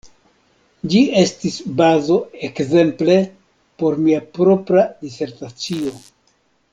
Ĝi estis bazo ekzemple por mia propra disertacio.